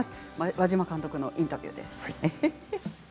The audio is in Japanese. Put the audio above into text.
和島監督のインタビューです。